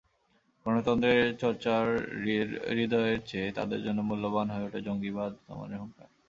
গণতন্ত্রের চর্চার হূদয়ের চেয়ে তাদের জন্য মূল্যবান হয়ে ওঠে জঙ্গিবাদ দমনের হুংকার।